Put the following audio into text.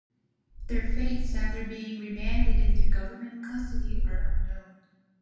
Their fates after being remanded into government custody are unknown.